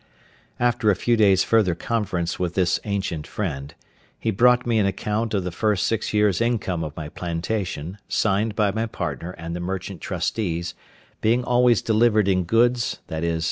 After a few days' further conference with this ancient friend, he brought me an account of the first six years' income of my plantation, signed by my partner and the merchant trustees, being always delivered in goods, viz.